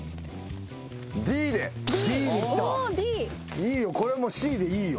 いいよこれはもうＣでいいよ。